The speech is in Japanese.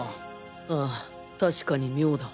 ああ確かに妙だ